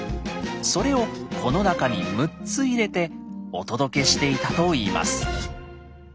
それをこの中に６つ入れてお届けしていたといいます。